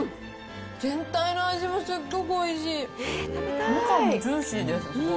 全体の味もすっごくおいしい。